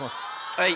はい。